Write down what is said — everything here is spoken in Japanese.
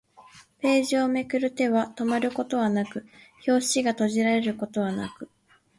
ページをめくる手は止まることはなく、表紙が閉じられることはなく